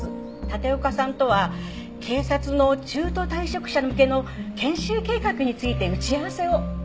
立岡さんとは警察の中途退職者向けの研修計画について打ち合わせを。